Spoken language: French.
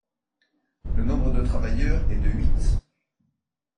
Le nombre de travailleur est de huit.